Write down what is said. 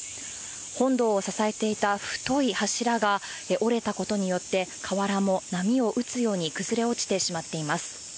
本堂を支えていた太い柱が折れたことによって、瓦も波を打つように崩れ落ちてしまっています。